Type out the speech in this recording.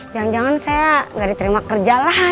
jangan jangan saya nggak diterima kerja lah